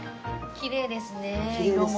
きれいですね。